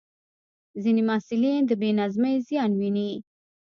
ځینې محصلین د بې نظمۍ زیان ویني.